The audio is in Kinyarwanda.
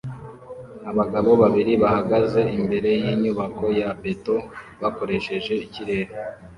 Abagabo babiri bahagaze imbere yinyubako ya beto bakoresheje ikirere